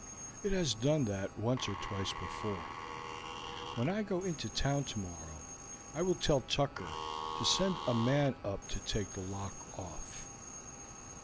It has done that once or twice before. When I go into town tomorrow I will tell Tucker to send a man up to take the lock off.